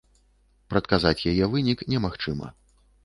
Прадказаць яе вынік немагчыма.